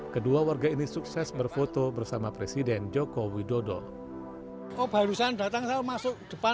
kedua warga ini sukses berfoto bersama presiden joko widodo oh barusan datang selalu masuk depan